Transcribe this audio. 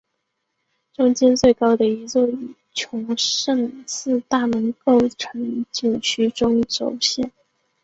中间最高的一座与崇圣寺大门构成景区中轴线。